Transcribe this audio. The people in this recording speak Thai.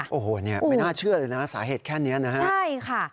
ไม่น่าเชื่อเลยนะสาเหตุแค่นี้นะ